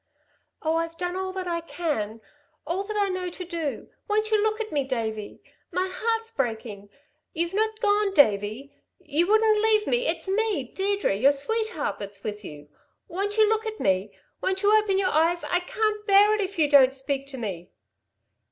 "Oh, I've done all that I can all that I know to do. Won't you look at me, Davey? My heart's breaking. You've not gone, Davey? You wouldn't leave me. It's me, Deirdre, your sweetheart, that's with you! Won't you look at me?... Won't you open your eyes? I can't bear it if you don't speak to me."